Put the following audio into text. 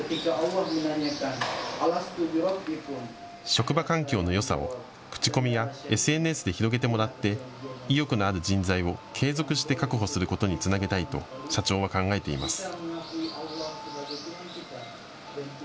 職場環境のよさを口コミやＳＮＳで広げてもらって意欲のある人材を継続して確保することにつなげたいと社長は考えています。